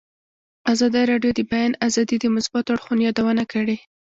ازادي راډیو د د بیان آزادي د مثبتو اړخونو یادونه کړې.